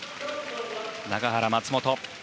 永原、松本。